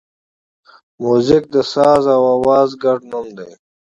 موزیک د ساز او آواز ګډ نوم دی.